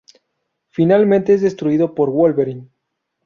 Finalmente es destruido por Wolverine.